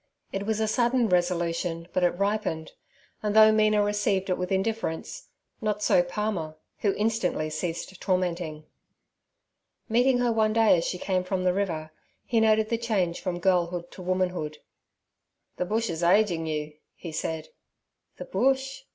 It was a sudden resolution, but it ripened; and though Mina received it with indifference, not so Palmer, who instantly ceased tormenting. Meeting her one day as she came from the river, he noted the change from girlhood to womanhood. 'The bush is ageing you' he said. 'The bush?'